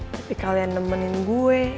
tapi kalian nemenin gue